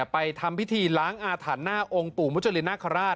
ไปทำพิธีล้างอาถรรค์หน้าองค์ปู่มุจริน